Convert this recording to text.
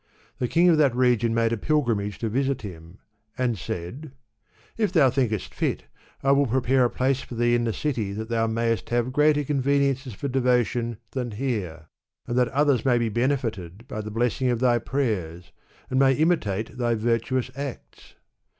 The king of that region made a pil grimage to visit him, and said, " If thou thinkest fit, I will prepare a place for thee in the city that thou mayest have greater conveniences for devotion than here, and that others may be benefited by the blessing of thy prayers, and may imitate thy virtuous acts."